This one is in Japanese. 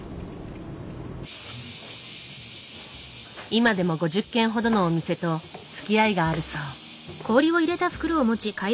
今でも５０軒ほどのお店とつきあいがあるそう。